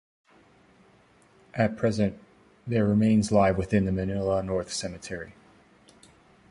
At present, their remains lie within the Manila North Cemetery.